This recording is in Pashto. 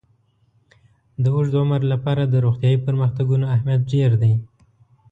د اوږد عمر لپاره د روغتیايي پرمختګونو اهمیت ډېر دی.